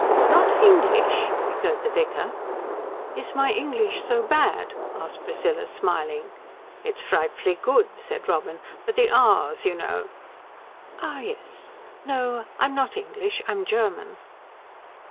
"Not English?" echoed the vicar. "Is my English so bad?" asked Priscilla, smiling. "It's frightfully good," said Robin; "but the 'r's,' you know " "Ah, yes. No, I'm not English. I'm German."